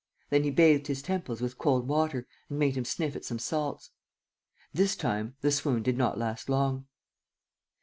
Then he bathed his temples with cold water and made him sniff at some salts. This time, the swoon did not last long.